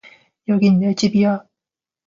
여긴 내 집이야.